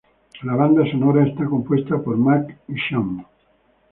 La banda sonora está compuesta por Mark Isham.